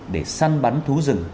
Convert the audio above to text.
để săn bắn thú rừng